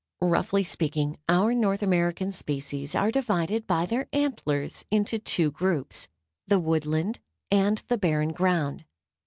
Roughly speaking, our North American species are divided by their antlers into two groups, the Woodland and the Barren Ground.